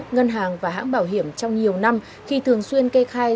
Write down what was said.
ngân hàng và hãng bảo hiểm trong nhiều năm khi thường xuyên kê khai